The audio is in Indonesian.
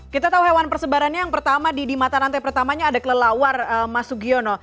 kita tahu hewan persebarannya yang pertama di mata rantai pertamanya ada kelelawar mas sugiono